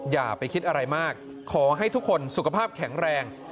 อย่าไปคิดอะไรมากขอให้ทุกคนสุขภาพแข็งแรง